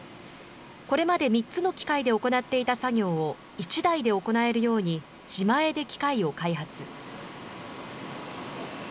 これまで３つの機械で行っていた作業を１台で行えるように、自前で機械を開発。